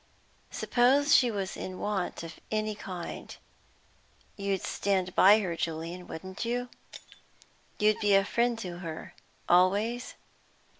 Suppose she was in want of any kind, you'd stand by her, Julian, wouldn't you? You'd be a friend to her, always?"